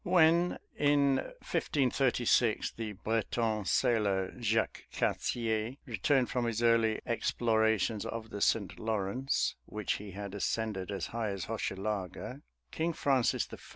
When, in 1536, the Breton sailor Jacques Cartier returned from his early explorations of the St. Lawrence, which he had ascended as high as Hochelaga, King Francis I.